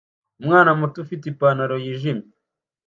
Umwana muto ufite ipantaro yijimye